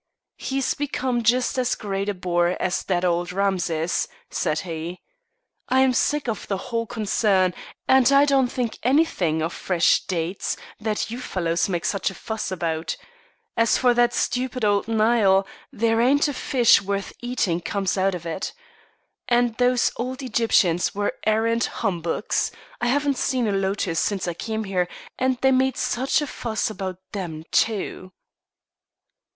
"He's become just as great a bore as that old Rameses," said he. "I'm sick of the whole concern, and I don't think anything of fresh dates, that you fellows make such a fuss about. As for that stupid old Nile there ain't a fish worth eating comes out of it. And those old Egyptians were arrant humbugs. I haven't seen a lotus since I came here, and they made such a fuss about them too."